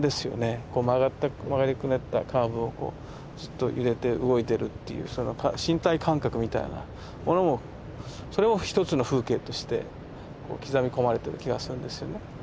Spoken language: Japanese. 曲がりくねったカーブをずっと揺れて動いてるっていうその身体感覚みたいなものもそれを一つの風景として刻み込まれてる気がするんですよね。